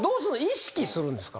意識するんですか？